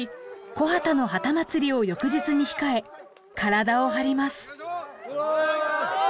木幡の幡祭りを翌日に控え体を張ります。